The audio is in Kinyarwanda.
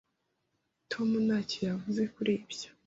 Tom ntacyo yavuze kuri ibyo?